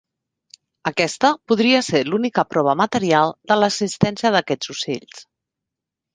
Aquesta podria ser l'única prova material de l'existència d'aquests ocells.